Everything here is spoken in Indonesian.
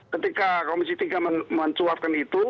ketika komisi tiga mencuatkan itu